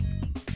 có thể có thể